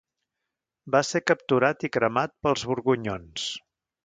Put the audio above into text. Va ser capturat i cremat pels borgonyons.